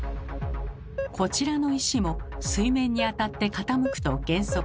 こちらの石も水面に当たって傾くと減速。